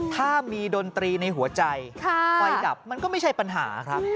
ถ้ามีดนตรีในหัวใจไฟดับมันก็ไม่ใช่ปัญหาครับ